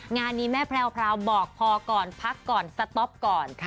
งานนี้แม่แพรวบอกพอก่อนพักก่อนสต๊อปก่อน